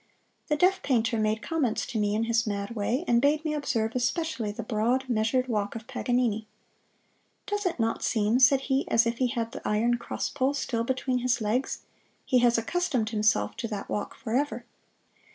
The deaf painter made comments to me in his mad way, and bade me observe especially the broad, measured walk of Paganini. "Does it not seem," said he, "as if he had the iron cross pole still between his legs? He has accustomed himself to that walk forever.